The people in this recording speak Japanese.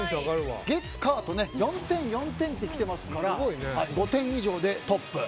月、火と４点、４点と来てますから５点以上でトップ。